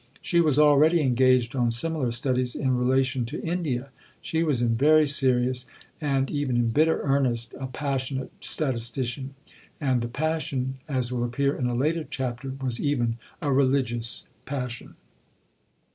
She was already engaged on similar studies in relation to India. She was in very serious, and even in bitter, earnest a "passionate statistician." And the passion, as will appear in a later chapter, was even a religious passion.